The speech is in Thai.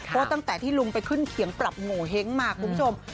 เพราะตั้งแต่ที่ลุงไปขึ้นเขียงปรับโงเห้งมาคุณผู้ชม